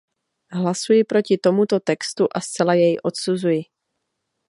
Hlasuji proti tomuto textu a zcela jej odsuzuji.